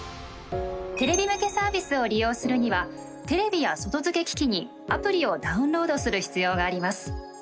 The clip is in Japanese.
テレビ向けサービスを利用するにはテレビや外付け機器にアプリをダウンロードする必要があります。